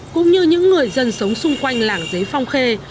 cũng như những người dân sống xung quanh làng giấy phong khê